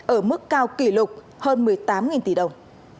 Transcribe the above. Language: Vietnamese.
ở mức cao kỷ lục hơn một mươi tám tỷ đồng